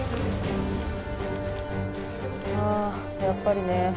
あやっぱりね。